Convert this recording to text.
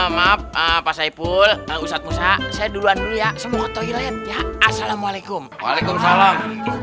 maaf apa saiful usah usah saya duluan dulu ya semua toilet ya assalamualaikum waalaikumsalam